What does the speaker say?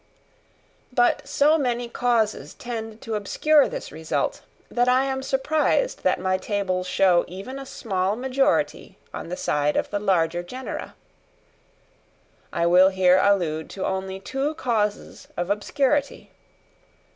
But so many causes tend to obscure this result, that I am surprised that my tables show even a small majority on the side of the larger genera. I will here allude to only two causes of obscurity.